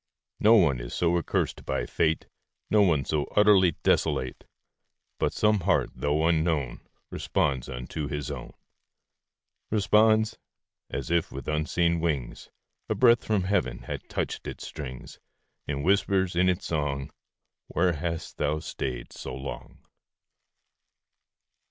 No one is so accursed by fate, No one so utterly desolate, But some heart, though unknown, Responds unto his own. Responds, as if with unseen wings, An angel touched its quivering strings; And whispers, in its song, "'Where hast thou stayed so long?"